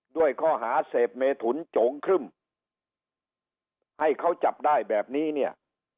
ด้วยข้อหาเสพเมถุนโจงครึ่มให้เขาจับได้แบบนี้เนี่ย